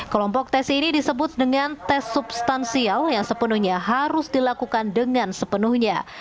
kelompok tes ini disebut dengan tes substansial yang sepenuhnya harus dilakukan dengan sepenuhnya